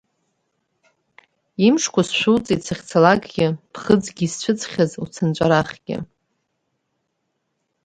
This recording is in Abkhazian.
Имшқәа сшәуҵеит сахьцалакгьы, ԥхыӡгьы исцәыӡхьаз Уцынҵәарахгьы.